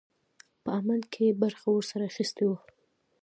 په عمل کې یې برخه ورسره اخیستې وه.